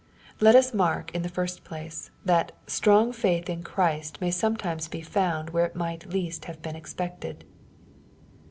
Let us mark, in the first place, that strong faith in Christ may sometimes he found where it might least have been expected.